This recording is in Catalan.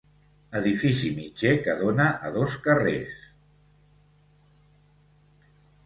Edifici mitger que dóna a dos carrers.